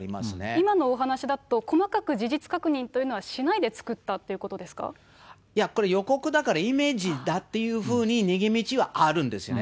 今のお話だと、細かく事実確認というのはしないで作ったといいや、これ予告だから、イメージだっていうふうに、逃げ道はあるんですね。